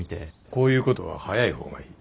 こういうことは早い方がいい。